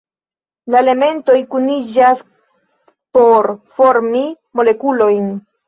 La elementoj kuniĝas por formi molekulojn.